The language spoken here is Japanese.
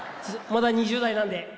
まだ２０代なので。